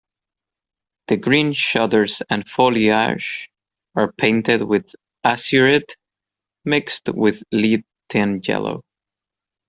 The green shutters and foliage are painted with azurite mixed with lead-tin-yellow.